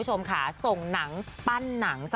จะบอกใหร่